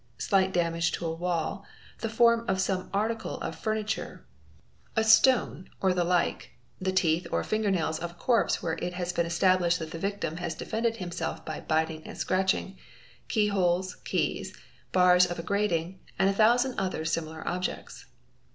slight damage to a wall, the form of some article of furniture, a stone, o1 the like, the teeth or fingernails of a corpse where it has been establishe¢ that the victim has defended himself by biting and scratching, keyholes keys, bars of a grating, and a thousand other similar objects.